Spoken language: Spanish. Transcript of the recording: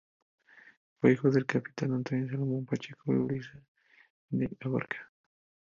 Fue hijo del capitán Antonio Salmón Pacheco y Luisa de Abarca.